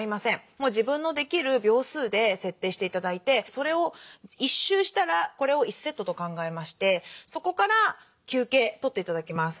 もう自分のできる秒数で設定して頂いてそれを１周したらこれを１セットと考えましてそこから休憩とって頂きます。